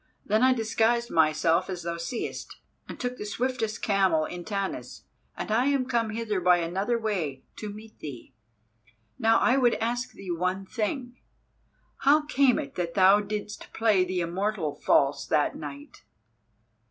Then I disguised myself as thou seest, and took the swiftest camel in Tanis, and am come hither by another way to meet thee. Now I would ask thee one thing. How came it that thou didst play the Immortal false that night?